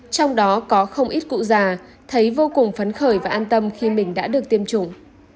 trong đó có không ít cụ già thấy vô cùng phấn khởi và an tâm khi mình đã được tiêm chủng